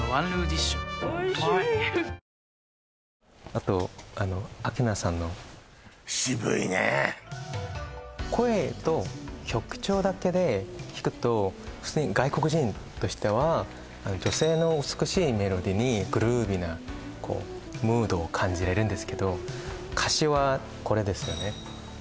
あと明菜さんの声と曲調だけで聴くと普通に外国人としては女性の美しいメロディーにグルーヴィーなこうムードを感じれるんですけど歌詞はこれですよね